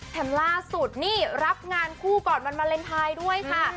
ล่าสุดนี่รับงานคู่ก่อนวันวาเลนไทยด้วยค่ะ